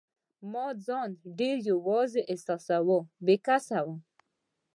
ما ځان ډېر یوازي احساساوه، بې کسه وم.